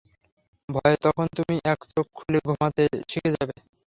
ভয়ে তখন তুমি এক চোখ খুলে ঘুমাতে শিখে যাবে।